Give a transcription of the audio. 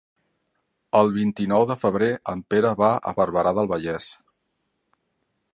El vint-i-nou de febrer en Pere va a Barberà del Vallès.